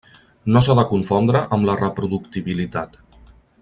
No s’ha de confondre amb la reproductibilitat.